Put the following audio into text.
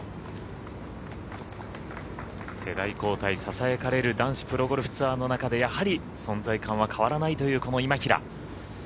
世代交代ささやかれる男子プロゴルフツアーの中でやはり存在感は変わらないというこの今平。